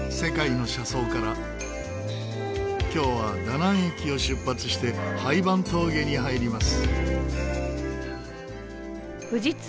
今日はダナン駅を出発してハイヴァン峠に入ります。